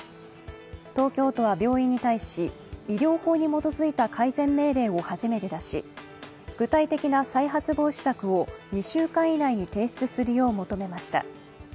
東京都は病院に対し、医療法に基づいた改善命令を初めて出し、具体的な再発防止策を２週間以内に提出するよう求めました。